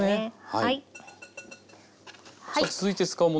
はい。